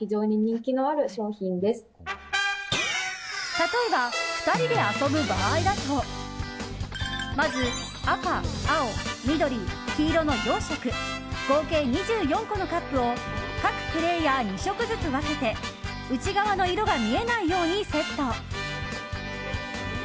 例えば、２人で遊ぶ場合だとまず、赤、青、緑、黄色の４色合計２４個のカップを各プレーヤー、２色ずつ分けて内側の色が見えないようにセット。